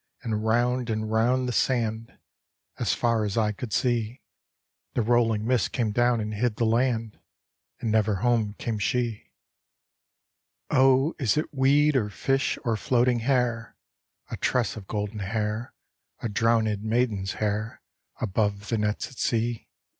And round and round the sand. As far as eye could see. The rolling mist came down and hid the land — And never home came she. D,gt,, erihyGOOgle The Haunted Hour "Oh, is it weed, or fish, or floating hair —■ A tress of golden hair, A drowned maiden's hair Above the nets at sea?